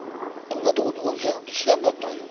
こんなとこに温泉あるって知らんかったんよ。